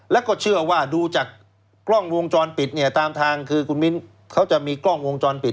แล้วก็เชื่อว่าดูจากกล้องวงจรปิดเนี่ยตามทางคือคุณมิ้นเขาจะมีกล้องวงจรปิด